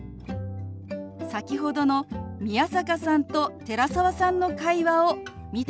先ほどの宮坂さんと寺澤さんの会話を見てみましょう。